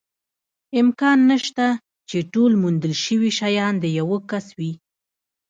امکان نشته، چې ټول موندل شوي شیان د یوه کس وي.